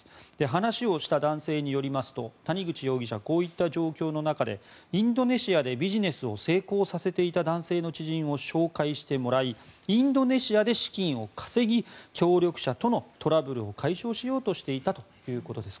話をした男性によりますと谷口容疑者はこういった状況の中でインドネシアでビジネスを成功させていた男性の知人を紹介してもらいインドネシアで資金を稼ぎ協力者とのトラブルを解消しようとしていたということです。